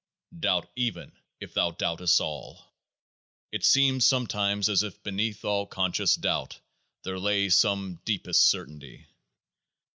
Doubt even if thou doubtest all. It seems sometimes as if beneath all conscious doubt there lay some deepest certainty.